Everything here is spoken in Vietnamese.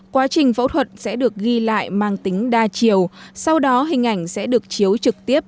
quá trình phẫu thuật sẽ được ghi lại mang tính đa chiều sau đó hình ảnh sẽ được chiếu trực tiếp